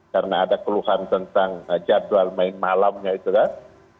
karena ada keluhan tentang jadwal main malamnya itu kan